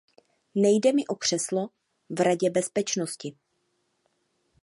Nejde mi o křeslo v Radě bezpečnosti.